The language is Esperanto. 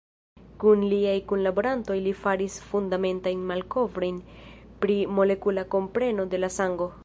Kun liaj kunlaborantoj li faris fundamentajn malkovrojn pri molekula kompreno de la sango.